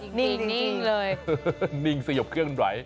จริงจริงเลยนิ่งสยบเครื่องหน่อย